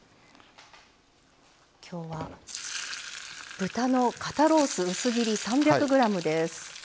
きょうは豚の肩ロース薄切り３００ｇです。